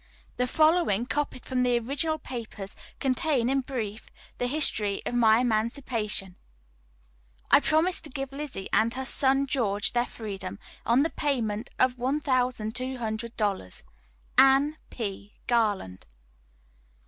The following, copied from the original papers, contain, in brief, the history of my emancipation: "I promise to give Lizzie and her son George their freedom, on the payment of $1200. "ANNE P. GARLAND.